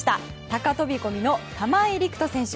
高飛込の玉井陸斗選手。